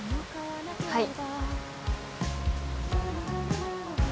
はい。